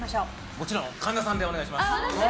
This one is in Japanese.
もちろん神田さんでお願いします。